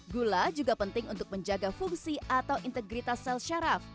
gula juga penting untuk menjaga fungsi atau integritas sel syaraf